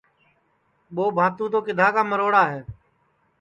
مُرچیا تو کِدھا کا مروڑا ہے